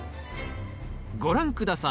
ご覧下さい。